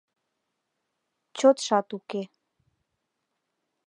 Чотшат уке.